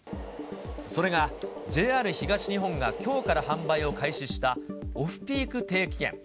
それが、ＪＲ東日本がきょうから販売を開始したオフピーク定期券。